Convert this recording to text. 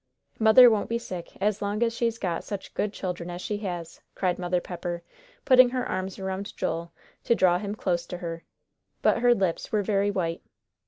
"Mother won't be sick as long as she's got such good children as she has," cried Mother Pepper, putting her arms around Joel, to draw him close to her. But her lips were very white.